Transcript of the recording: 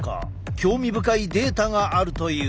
興味深いデータがあるという。